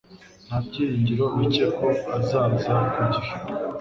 Nta byiringiro bike ko azaza ku gihe.